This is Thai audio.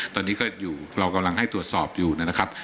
ตอนนี้ก็อยู่เรากำลังให้ตรวจสอบอยู่นะครับ